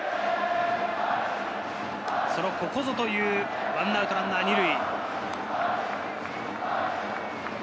ここぞという１アウトランナー２塁。